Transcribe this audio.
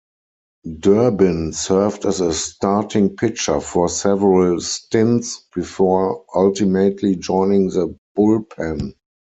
Durbin served as a starting pitcher for several stints, before ultimately joining the bullpen.